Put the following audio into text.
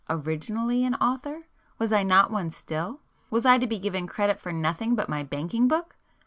'Originally' an author? Was I not one still? Was I to be given credit for nothing but my banking book?